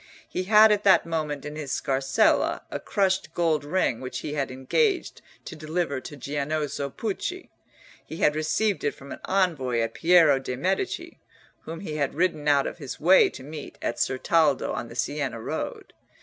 He had at that moment in his scarsella a crushed gold ring which he had engaged to deliver to Giannozzo Pucci. He had received it from an envoy of Piero de' Medici, whom he had ridden out of his way to meet at Certaldo on the Siena road.